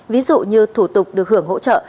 ví dụ như thủ tục được hưởng hỗ trợ